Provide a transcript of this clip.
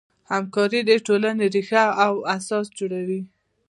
همکاري د ټولنې ریښه او اساس جوړوي.